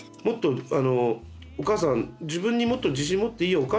もっとお母さん自分にもっと自信を持っていいよ。